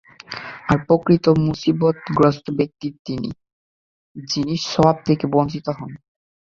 আর প্রকৃত মুসীবতগ্রস্ত ব্যক্তি তিনিই, যিনি সওয়াব থেকে বঞ্চিত হন।